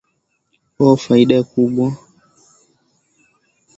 o faida kubwa tunayoipata karibu na maji haya